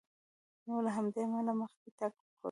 نو له همدې امله مخکې تګ کوي.